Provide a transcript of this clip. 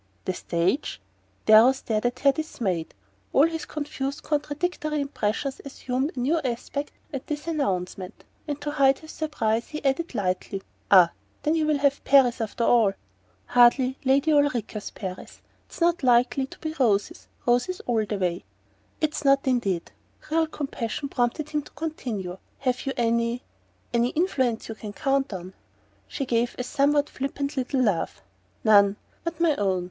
"The stage?" Darrow stared at her, dismayed. All his confused contradictory impressions assumed a new aspect at this announcement; and to hide his surprise he added lightly: "Ah then you will have Paris, after all!" "Hardly Lady Ulrica's Paris. It s not likely to be roses, roses all the way." "It's not, indeed." Real compassion prompted him to continue: "Have you any any influence you can count on?" She gave a somewhat flippant little laugh. "None but my own.